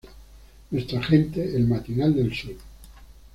Nuestra Gente: "El Matinal del Sur"...